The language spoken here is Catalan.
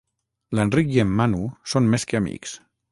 L'Enric i en Manu són més que amics.